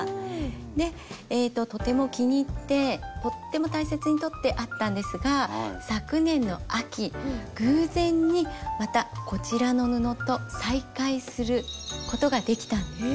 でとても気に入ってとっても大切にとってあったんですが昨年の秋偶然にまたこちらの布と再会することができたんです。